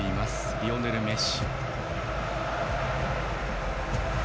リオネル・メッシ。